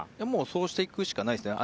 そうしていくしかないですね。